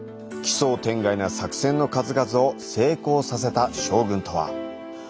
奇想天外な作戦の数々を成功させた将軍とは？